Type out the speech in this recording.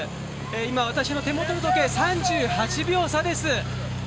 今、私の手元の時計３８秒差です。